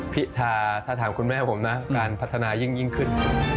ถ้าถามคุณแม่ผมนะการพัฒนายิ่งขึ้น